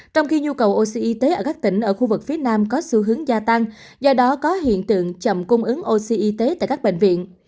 trong khi nhu cầu oxy y tế ở các tỉnh ở khu vực phía nam có xu hướng gia tăng do đó có hiện tượng chậm cung ứng oxy y tế tại các bệnh viện